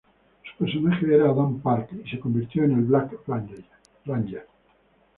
Su personaje era Adam Park y se convirtió en el Black Ranger.